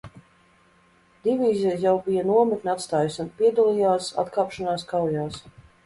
Divīzija jau bija nometni atstājusi un piedalījās atkāpšanās kaujās.